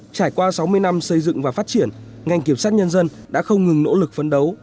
trải qua sáu mươi năm xây dựng và phát triển ngành kiểm sát nhân dân đã không ngừng nỗ lực phấn đấu